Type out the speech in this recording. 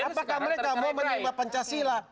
apakah mereka mau menerima pancasila